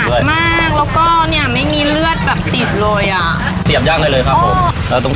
มากแล้วก็เนี้ยไม่มีเลือดแบบติดเลยอ่ะเสียบยากได้เลยครับผมแล้วตรง